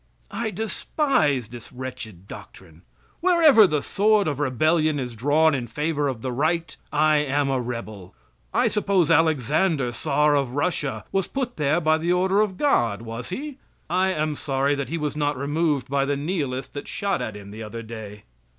I despise this wretched doctrine. Wherever the sword of rebellion is drawn in favor of the right, I am a rebel. I suppose Alexander, czar of Russia, was put there by the order of God, was he? I am sorry he was not removed by the nihilist that shot at him the other day.